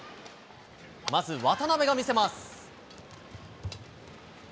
まず渡辺が見せます。